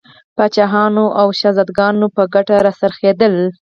پاچاهانو او شهزادګانو په ګټه را څرخېدل.